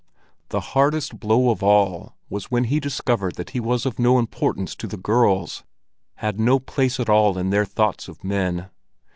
The hardest blow of all was when he discovered that he was of no importance to the girls, had no place at all in their thoughts of men.